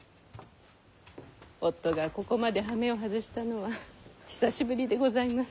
夫がここまでハメを外したのは久しぶりでございます。